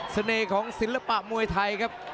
เสน่ห์ของศิลปะมวยไทยครับ